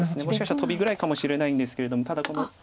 もしかしてトビぐらいかもしれないんですけれどもただこの。